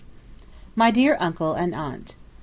MY DEAR UNCLE AND AUNT